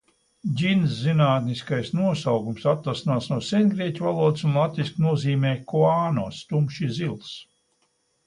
"Ģints zinātniskais nosaukums atvasināts no sengrieķu valodas un latviski nozīmē: "kuanos" – tumši zils."